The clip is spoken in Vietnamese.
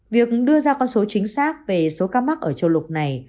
việc đưa ra con số chính xác về số ca mắc ở châu lục này